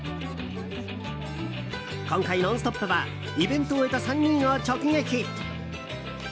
今回、「ノンストップ！」はイベントを終えた３人を直撃。